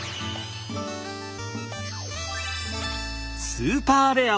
スーパーレア！